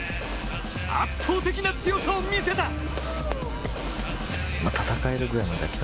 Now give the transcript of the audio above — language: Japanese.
圧倒的な強さを見せた。